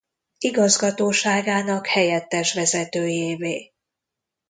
Igazgatóságának helyettes vezetőjévé.